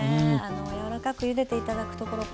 柔らかくゆでて頂くところ